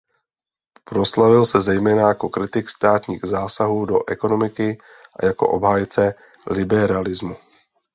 Proslavil se zejména jako kritik státních zásahů do ekonomiky a jako obhájce liberalismu.